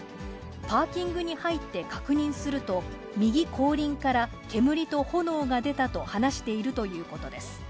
パーキングに入って確認すると、右後輪から煙と炎が出たと話しているということです。